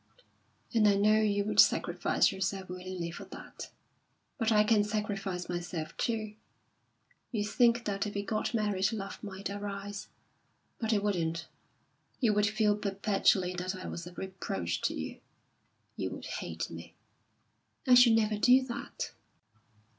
"And I know you would sacrifice yourself willingly for that; but I can sacrifice myself, too. You think that if we got married love might arise; but it wouldn't. You would feel perpetually that I was a reproach to you; you would hate me." "I should never do that."